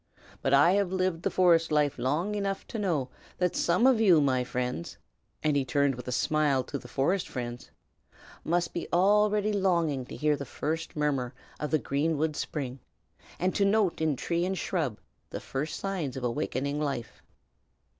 But I have lived the forest life long enough to know that some of you, my friends," and he turned with a smile to the forest friends, "must be already longing to hear the first murmur of the greenwood spring, and to note in tree and shrub the first signs of awakening life."